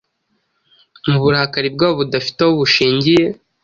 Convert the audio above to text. Mu burakari bwabo budafite aho bushingiye